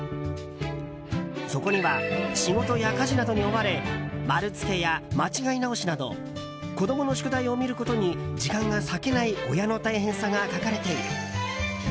そこには仕事や家事などに追われ丸つけや間違い直しなど子供の宿題を見ることに時間が割けない親の大変さが書かれている。